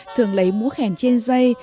thường lấy múa khen trên dây